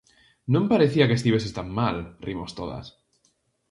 Non parecía que estiveses tan mal! -rimos todas.